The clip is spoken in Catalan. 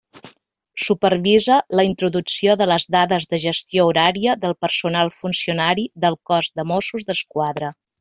Supervisa la introducció de les dades de gestió horària del personal funcionari del cos de Mossos d'Esquadra.